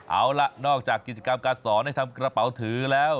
เอาล่ะนอกจากกิจกรรมการสอนให้ทำกระเป๋าถือแล้ว